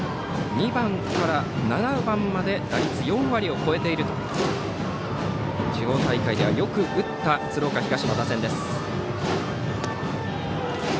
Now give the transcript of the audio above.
２番から７番まで打率４割を超えているという地方大会ではよく打った鶴岡東の打線です。